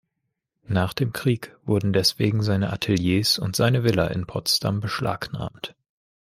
Nach dem Krieg wurden deswegen seine Ateliers und seine Villa in Potsdam beschlagnahmt.